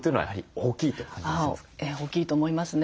大きいと思いますね。